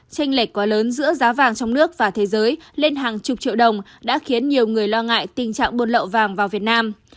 tranh lệch quá lớn giữa giá vàng trong nước và thế giới lên hàng chục triệu đồng đã khiến nhiều người lo ngại tình trạng buôn lậu vàng vào việt nam